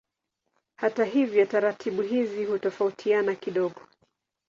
Hata hivyo taratibu hizi hutofautiana kidogo.